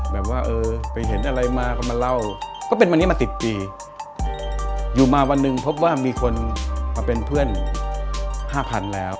แบบว่าเออไปเห็นอะไรมาก็มาเล่าก็เป็นวันนี้มาสิบปีอยู่มาวันหนึ่งพบว่ามีคนมาเป็นเพื่อนห้าพันแล้ว